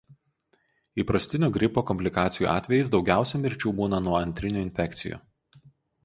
Įprastinio gripo komplikacijų atvejais daugiausia mirčių būna nuo antrinių infekcijų.